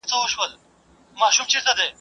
سانسور د علمي پرمختګ سره مرسته نه کوي.